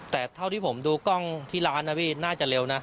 แต่เท่าที่ผมดูกล้องที่ร้านนะพี่น่าจะเร็วนะ